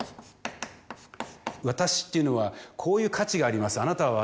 私っていうのはこういう価値があります。